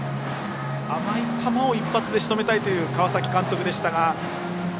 甘い球を一発でしとめたいという川崎監督でしたが。